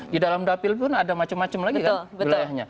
di dalam dapil pun ada macem macem lagi kan